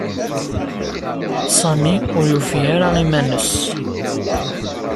Sami ur yufi ara iman-nnes.